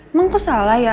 emang aku salah ya